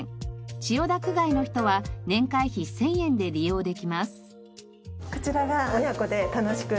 千代田区外の人は年会費１０００円で利用できます。